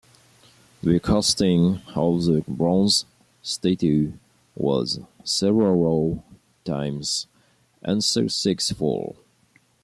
The casting of this bronze statue was several times unsuccessful.